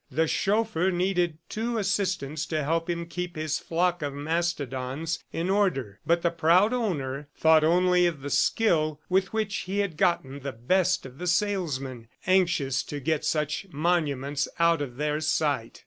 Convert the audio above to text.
The chauffeur needed two assistants to help him keep this flock of mastodons in order, but the proud owner thought only of the skill with which he had gotten the best of the salesmen, anxious to get such monuments out of their sight.